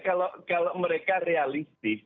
sekarang kalau mereka realistis